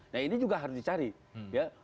nah ini juga harus dicari ya